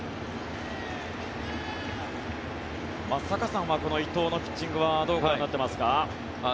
松坂さんはこの伊藤のピッチングはどうご覧になっていますか？